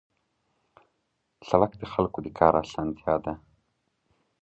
سړک د خلکو د کار اسانتیا ده.